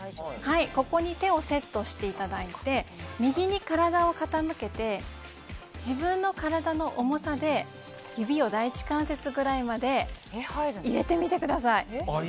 ここに手をセットしていただいて右に体を傾けて自分の体の重さで指を第一関節くらいまで入れてみてください。